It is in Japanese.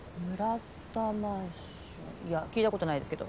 いや聞いた事ないですけど。